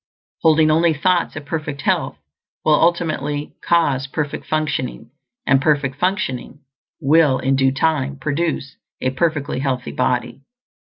Holding only thoughts of perfect health will ultimately cause perfect functioning; and perfect functioning will in due time produce a perfectly healthy body.